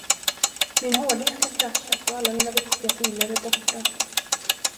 Min hårddisk har kraschat och alla mina viktiga filer är borta.